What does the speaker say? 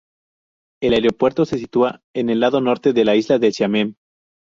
El aeropuerto se sitúa en el lado norte de la Isla de Xiamen.